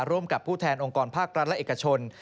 ร่วมกับผู้แทนองค์กรภาครัฐและเอกชน